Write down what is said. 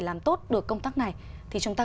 làm tốt được công tác này thì chúng ta